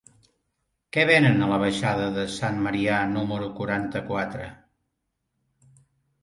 Què venen a la baixada de Sant Marià número quaranta-quatre?